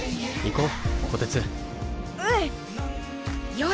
よし！